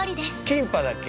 キンパだっけ？